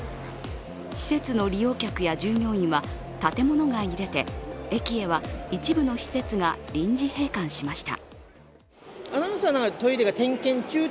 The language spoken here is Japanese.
施設の利用客や従業員は建物外に出てｅｋｉｅは一部の施設が臨時閉館しました。